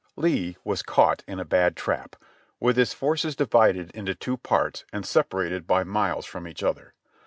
* Lee was caught in a bad trap, with his forces divided into two parts and separated by miles from each other.